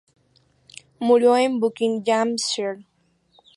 Murió en Buckinghamshire.